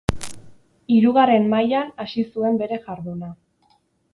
Hirugarren mailan hasi zuen bere jarduna.